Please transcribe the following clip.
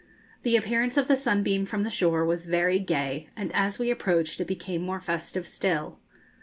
The appearance of the 'Sunbeam' from the shore was very gay, and as we approached it became more festive still.